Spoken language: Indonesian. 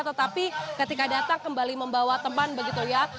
tetapi ketika datang kembali membawa teman begitu ya